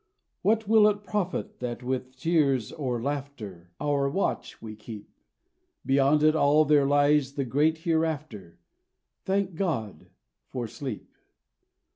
What will it profit that with tears or laughter Our watch we keep? Beyond it all there lies the Great Hereafter! Thank God for sleep!